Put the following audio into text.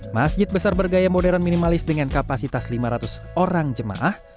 masjid besar bergaya modern minimalis dengan kapasitas lima ratus orang jemaah